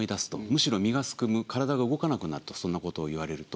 むしろ身がすくむ体が動かなくなるとそんなことを言われると。